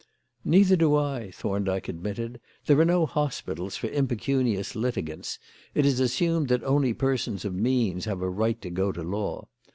"Neither do I," Thorndyke admitted. "There are no hospitals for impecunious litigants; it is assumed that only persons of means have a right to go to law.